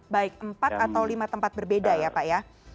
baik empat atau lima tempat berbeda ya pak ya